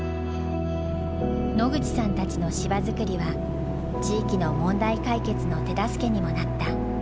野口さんたちの芝作りは地域の問題解決の手助けにもなった。